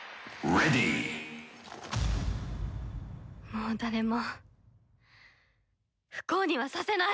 もう誰も不幸にはさせない！